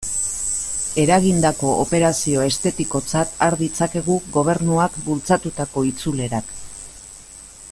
Eragindako operazio estetikotzat har ditzakegu Gobernuak bultzatutako itzulerak.